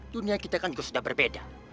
dunia kita kan juga sudah berbeda